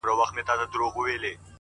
• او که دي زړه سو هېرولای می سې ,